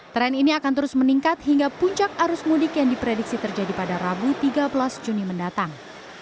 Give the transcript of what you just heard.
tren ini akan terus meningkat hingga puncak arus mudik yang diprediksi terjadi pada rabu tiga belas juni mendatang